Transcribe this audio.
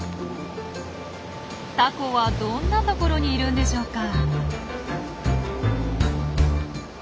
タコはどんな所にいるんでしょうか。